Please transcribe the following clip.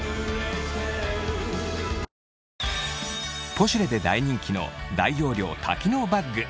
『ポシュレ』で大人気の大容量多機能バッグ